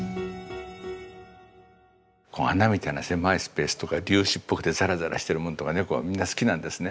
孔みたいな狭いスペースとか粒子っぽくてザラザラしてるものとか猫はみんな好きなんですね。